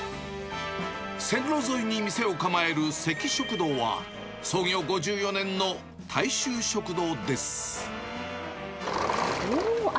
線路沿いに店を構えるせき食堂は、創業５４年の大衆食堂です。